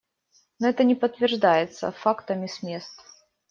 Но это не подтверждается фактами с мест.